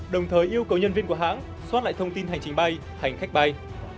đồng thời yêu cầu nhân viên của hãng xoát lại thông tin hành trình bay hành khách bay